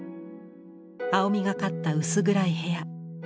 青みがかった薄暗い部屋。